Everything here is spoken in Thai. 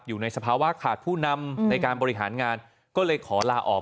อยู่ในสภาวะขาดผู้นำในการบริหารงานก็เลยขอลาออก